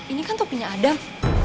ini kan topinya adam